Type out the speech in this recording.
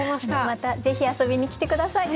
またぜひ遊びに来て下さい。